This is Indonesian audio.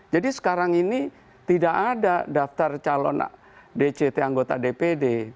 jadi sekarang ini tidak ada daftar calon dct anggota dpd